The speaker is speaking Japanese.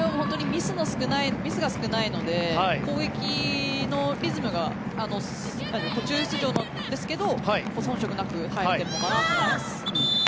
ミスが少ないので攻撃のリズムが途中出場ですけど遜色なく入れてるのかなと思います。